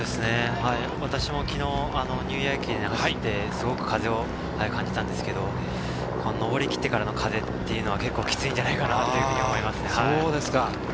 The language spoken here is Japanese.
私も昨日ニューイヤー駅伝を走ってすごく風を感じたんですけれど、上り切ってからの風というのは結構きついんじゃないかなと思いま